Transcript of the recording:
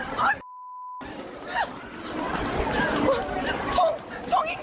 มีหน้าสิทำดันรึเปล่ามันต้องเกิด๕๕๕๕๕๕๕๕๕๕๕